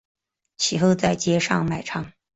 其后在街上卖唱。